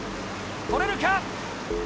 取れるか？